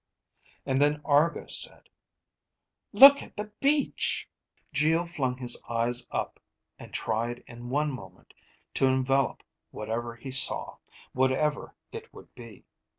And then Argo said, "Look at the beach!" Geo flung his eyes up and tried in one moment to envelop whatever he saw, whatever it would be.